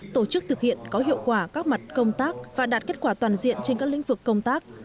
tổ chức thực hiện có hiệu quả các mặt công tác và đạt kết quả toàn diện trên các lĩnh vực công tác